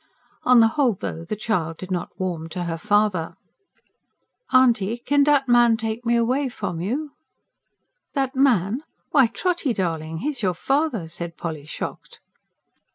On the whole, though, the child did not warm to her father. "Aunty, kin dat man take me away f'om you?" "That man? Why, Trotty darling, he's your father!" said Polly, shocked.